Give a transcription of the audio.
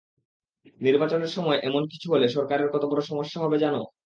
নির্বাচনের সময় এমন কিছু হলে সরকারের কত বড় সমস্যা হবে জানো?